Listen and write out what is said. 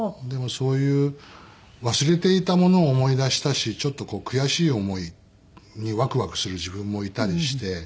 でもそういう忘れていたものを思い出したしちょっと悔しい思いにワクワクする自分もいたりして。